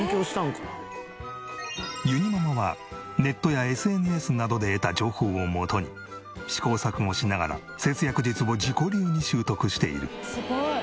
ゆにママはネットやＳＮＳなどで得た情報をもとに試行錯誤しながら節約術を自己流に習得している。